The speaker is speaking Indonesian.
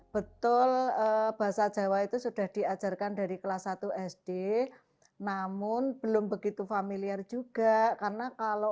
betul bahasa jawa itu sudah diajarkan dari kelas satu sd namun belum begitu familiar juga karena kalau